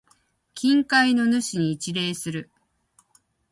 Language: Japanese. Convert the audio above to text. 近海の主に一礼する。